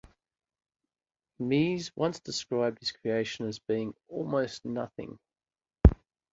Mies once described his creation as being almost nothing.